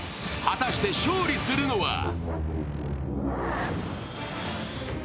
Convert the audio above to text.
果たして勝利するのは？